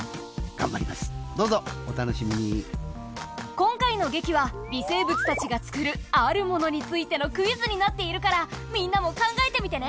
今回の劇は微生物たちが作るあるものについてのクイズになっているからみんなも考えてみてね。